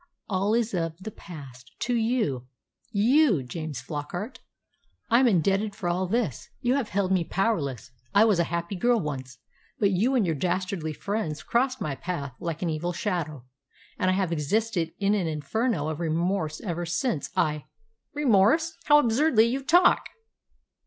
All is of the past. To you you, James Flockart I am indebted for all this! You have held me powerless. I was a happy girl once, but you and your dastardly friends crossed my path like an evil shadow, and I have existed in an inferno of remorse ever since. I " "Remorse! How absurdly you talk!"